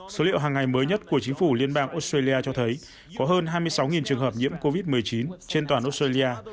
số liệu hàng ngày mới nhất của chính phủ liên bang australia cho thấy có hơn hai mươi sáu trường hợp nhiễm covid một mươi chín trên toàn australia